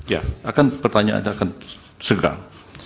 ya akan pertanyaannya akan segera